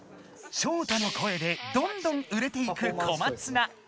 ショウタの声でどんどん売れていく小松菜。